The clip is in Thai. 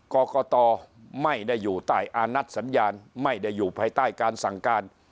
กรกตไม่ได้อยู่ใต้อานัดสัญญาณไม่ได้อยู่ภายใต้การสั่งการ